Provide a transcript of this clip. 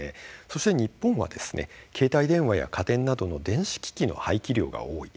そして日本は携帯電話や家電などの電子機器の廃棄量が多い。